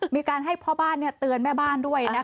มีการให้พ่อบ้านเตือนแม่บ้านด้วย